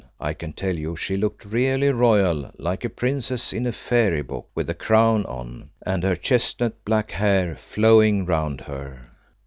I can tell you she looked really royal, like a princess in a fairy book, with a crown on, and her chestnut black hair flowing round her.